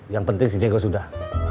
yang penting si cenggoh sudah